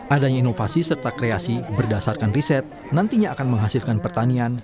adanya inovasi serta kreasi berdasarkan riset nantinya akan menghasilkan pertanian